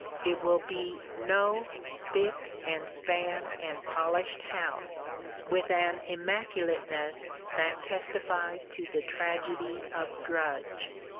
It will be no spick and span and polished house, with an immaculateness that testifies to the tragedy of drudge.